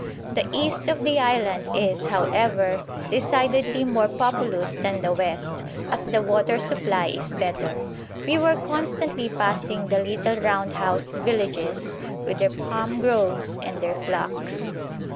The east of the island is, however, decidedly more populous than the west, as the water supply is better. We were constantly passing the little round housed villages, with their palm groves and their flocks.